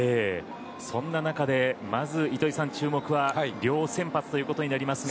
そんな中でまず糸井さん、注目は両先発ということになります。